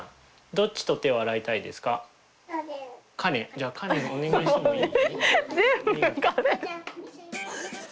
じゃあ香蓮お願いしてもいい？